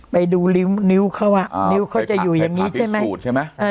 ไปดูนิ้วเขาอ่ะนิ้วเขาจะอยู่อย่างนี้ใช่ไหมขูดใช่ไหม